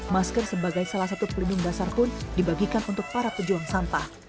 masker sebagai salah satu pelindung dasar pun dibagikan untuk para pejuang sampah